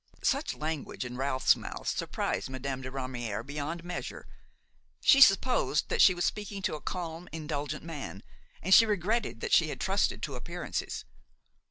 Such language in Ralph's mouth surprised Madame de Ramière beyond measure; she supposed that she was speaking to a calm, indulgent man, and she regretted that she had trusted to appearances.